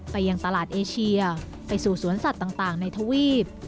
ยังตลาดเอเชียไปสู่สวนสัตว์ต่างในทวีป